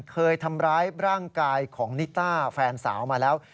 เคยทำร้ายร่างกายของนิต้าแฟนสาวมาแล้ว